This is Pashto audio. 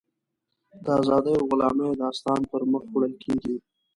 د ازادیو او غلامیو داستان پر مخ وړل کېږي.